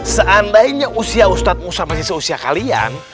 seandainya usia ustadz musa masih seusia kalian